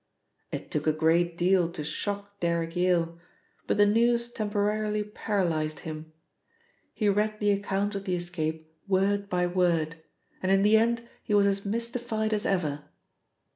It took a great deal to shock Derrick Yale, but the news temporarily paralysed him. He read the account of the escape word by word, and in the end he was as mystified as ever.